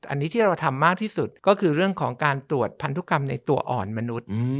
อันนี้ที่เราทำมากที่สุดก็คือเรื่องของการตรวจพันธุกรรมในตัวอ่อนมนุษย์